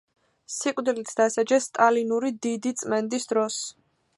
სიკვდილით დასაჯეს სტალინური დიდი წმენდის დროს.